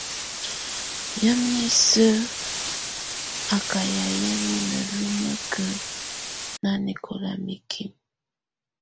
Yamɛ̀á isǝ́ á kà yayɛ̀á mimǝ́ lumǝ́kǝ́ nanɛkɔla mikimǝ.